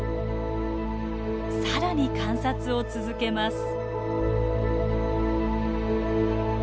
さらに観察を続けます。